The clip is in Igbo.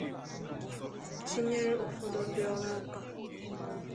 tinyere ụfọdụ ndị ọrụ ụka